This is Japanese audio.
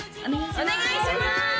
お願いします